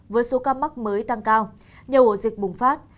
với số ca mắc mới tăng cao nhiều ổ dịch bùng phát